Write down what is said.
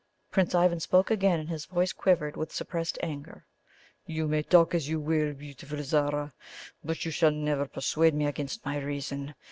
Prince Ivan spoke again, and his voice quivered, with suppressed anger. "You may talk as you will, beautiful Zara; but you shall never persuade me against my reason.